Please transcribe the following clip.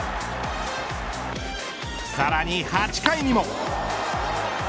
さらに８回にも。